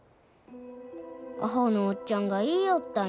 アホのおっちゃんが言いよったんや。